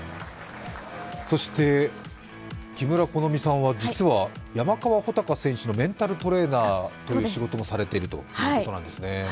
そして木村好珠さんは実は山川穂高さんのメンタルトレーナーの仕事もされているということですね。